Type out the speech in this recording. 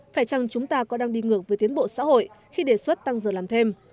phải chăng chúng ta có đang đi ngược với tiến bộ xã hội khi đề xuất tăng giờ làm thêm